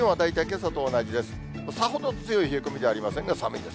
さほど強い冷え込みではありませんが、寒いです。